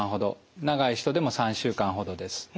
長い人でも３週間ほどです。